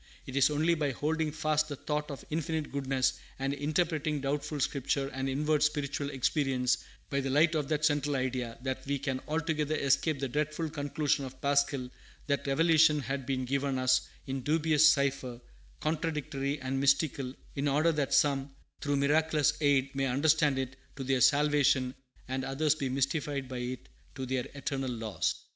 It is only by holding fast the thought of Infinite Goodness, and interpreting doubtful Scripture and inward spiritual experience by the light of that central idea, that we can altogether escape the dreadful conclusion of Pascal, that revelation has been given us in dubious cipher, contradictory and mystical, in order that some, through miraculous aid, may understand it to their salvation, and others be mystified by it to their eternal loss.